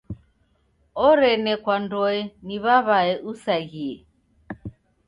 Orenekwandoe ni w'aw'ae usaghie.